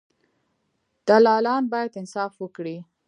دلالان باید انصاف وکړي.